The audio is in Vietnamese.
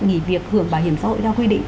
nghỉ việc hưởng bảo hiểm xã hội theo quy định